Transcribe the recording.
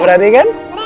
nah udah berani kan